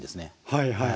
はいはい。